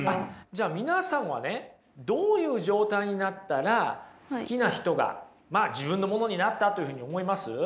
じゃあ皆さんはねどういう状態になったら好きな人がまあ自分のものになったというふうに思います？